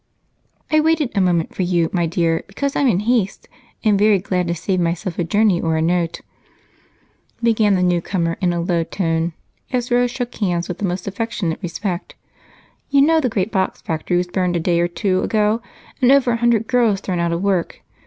"I waited a moment for you, my dear, because I'm in haste, and very glad to save myself a journey or a note," began the newcomer in a low tone as Rose shook hands with the most affectionate respect. "You know the great box factory was burned a day or two ago and over a hundred girls thrown out of work.